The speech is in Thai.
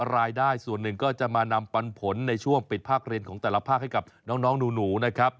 รายได้ส่วนหนึ่งก็จะมานำปันผลในช่วงปิดภาคเรียนของแต่ละภาคให้กับน้องหนูนะครับ